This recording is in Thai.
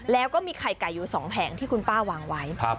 แล้วก็มีไข่ไก่อยู่๒แผงที่คุณป้าวางไว้